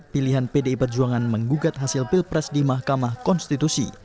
pilihan pdi perjuangan menggugat hasil pilpres di mahkamah konstitusi